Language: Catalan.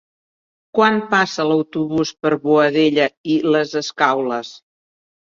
Quan passa l'autobús per Boadella i les Escaules?